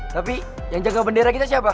tapi yang jaga bendera kita siapa